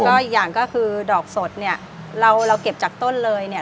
ก็อีกอย่างก็คือดอกสดเนี่ยเราเราเก็บจากต้นเลยเนี่ย